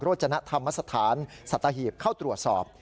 จนธรรมสถานสัตหีบเข้าตรวจสอบ